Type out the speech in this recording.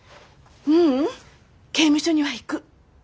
ううん刑務所には行く。